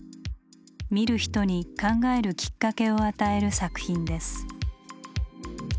見る人に考えるきっかけを与える作品です。